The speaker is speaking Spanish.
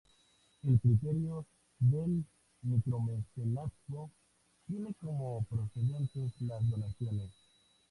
El criterio del micromecenazgo tiene como precedentes las donaciones.